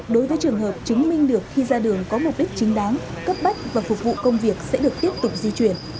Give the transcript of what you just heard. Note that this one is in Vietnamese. đối với trường hợp chứng minh được khi ra đường có mục đích chính đáng cấp bách và phục vụ công việc sẽ được tiếp tục di chuyển